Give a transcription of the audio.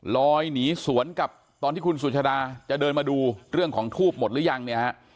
ลอยหนีสวนกับตอนที่คุณสุชาดาจะเดินมาดูเรื่องของทูบหมดหรือยังเนี่ยฮะ